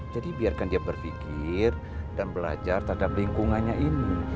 jadi biarkan dia berpikir dan belajar terhadap lingkungannya ini